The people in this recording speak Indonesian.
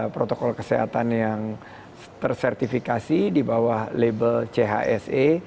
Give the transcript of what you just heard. protokol kesehatan yang tersertifikasi di bawah label chse